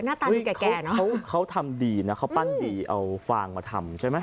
หน้าตาดูแก่เนอะเขาทำดีนะเขาปั้นดีเอาฟางมาทำใช่ไหม